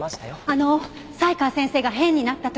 あの才川先生が変になったというのは？